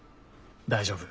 大丈夫。